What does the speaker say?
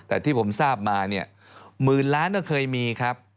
แต่ที่ผมทราบมาเนี่ยหมื่นล้านก็เคยมีครับ